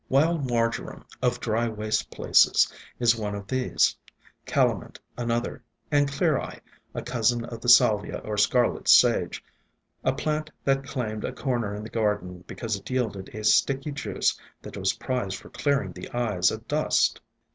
Wild Marjoram, of dry, waste places, is one of these, Calamint another, and Clear eye, a cousin of the Salvia or Scarlet Sage, a plant that claimed a corner in the garden because it yielded a sticky juice that was prized for clearing the eyes of dust.